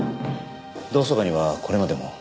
同窓会にはこれまでも？